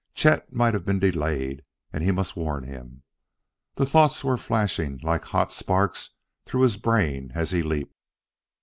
Chet might have been delayed, and he must warn him.... The thoughts were flashing like hot sparks through his brain as he leaped.